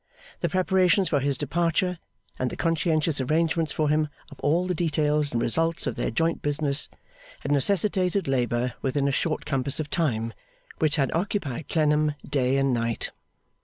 The preparations for his departure, and the conscientious arrangement for him of all the details and results of their joint business, had necessitated labour within a short compass of time, which had occupied Clennam day and night.